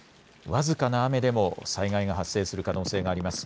僅かな雨でも災害が発生する可能性があります。